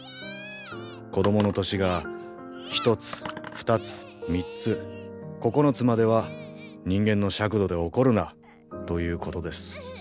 子供の年が１つ２つ３つ９つまでは人間の尺度で怒るなということです。